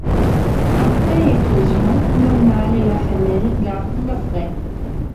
Après éclosion le mâle et la femelle gardent le frai.